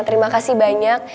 terima kasih banyak